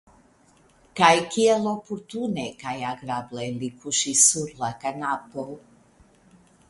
Kaj kiel oportune kaj agrable li kuŝis sur la kanapo!